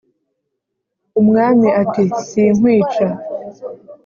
umwami ati: “sinkwica